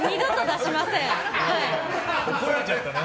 怒られちゃったな。